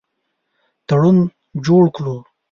تړون جوړ کړو.